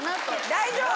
大丈夫？